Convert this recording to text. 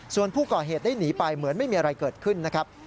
ส่วนผู้ก่อเหตุได้หนีไปเหมือนไม่มีอะไรเกิดขึ้นนะครับ